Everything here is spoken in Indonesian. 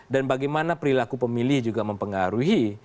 dan bagaimana perilaku pemilih juga mempengaruhi